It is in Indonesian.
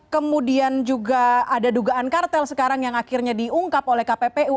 kemudian juga ada dugaan kartel sekarang yang akhirnya diungkap oleh kppu